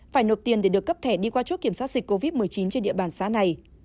phải nộp tiền để được cấp thẻ đi qua chốt kiểm soát dịch covid một mươi chín trên địa bàn xã này